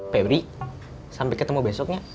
pebri sampai ketemu besoknya